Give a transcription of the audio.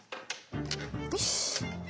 よし。